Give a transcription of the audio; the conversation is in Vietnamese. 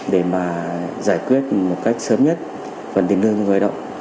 để mà giải quyết một cách sớm nhất phần tiền lương cho người lao động